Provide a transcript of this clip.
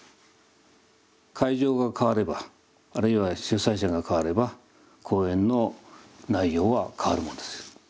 会場が変わればあるいは主催者が変われば講演の内容は変わるもんです。